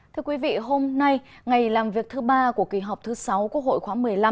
thưa quý vị hôm nay ngày làm việc thứ ba của kỳ họp thứ sáu quốc hội khóa một mươi năm